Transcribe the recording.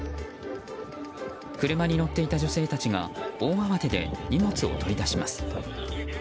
車に乗っていた女性たちが大慌てで荷物を取り出します。